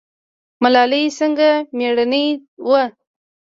ملالۍ څنګه میړنۍ وه؟